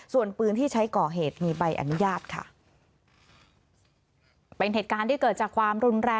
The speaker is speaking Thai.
ส่วนปืนที่ใช้ก่อเหตุมีใบอนุญาตค่ะ